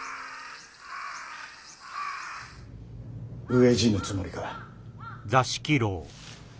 飢え死ぬつもりか？